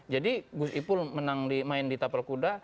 jadi gus ipul main di tapal kuda